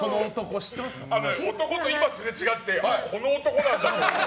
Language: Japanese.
男と今すれ違ってこの男なんだって。